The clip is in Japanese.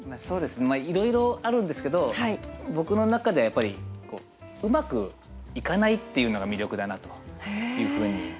いろいろあるんですけど僕の中ではやっぱりうまくいかないっていうのが魅力だなというふうに。